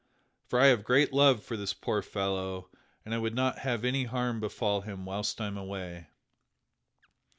For I have great love for this poor fellow and I would not have any harm befall him whilst I am away."